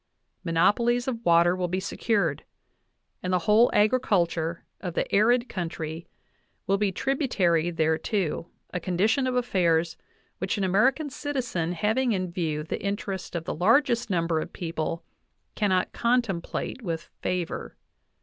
Monopolies of water will be secured, and the whole agriculture of the [arid] coun try will be tributary thereto a condition of affairs which an American citizen having in view the interests of the largest number of people cannot contemplate with favor.